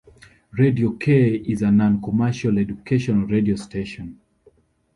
Radio K is a non-commercial educational radio station.